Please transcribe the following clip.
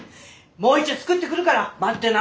もういっちょ作ってくるから待ってな！